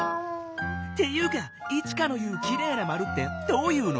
っていうかイチカの言う「きれいなまる」ってどういうの？